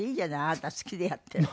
あなた好きでやってる。